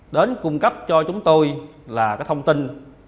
đến cung cấp cho chúng tôi là cái thông tin